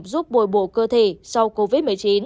giúp bồi bộ cơ thể sau covid một mươi chín